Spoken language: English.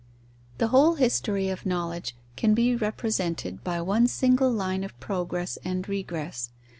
The whole history of knowledge can be represented by one single line of progress and regress.